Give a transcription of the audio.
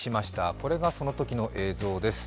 これがそのときの映像です。